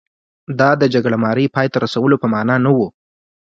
دا د جګړه مارۍ پای ته رسولو په معنا نه و.